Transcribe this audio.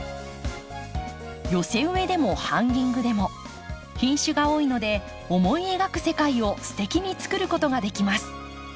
寄せ植えでもハンギングでも品種が多いので思い描く世界をすてきに作ることができます。